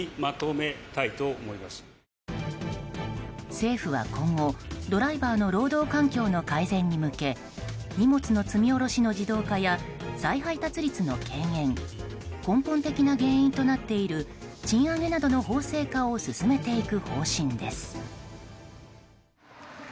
政府は今後、ドライバーの労働環境の改善に向け荷物の積み下ろしの自動化や再配達率の軽減根本的な原因となっている賃上げなどの法制化を進めていく方針です。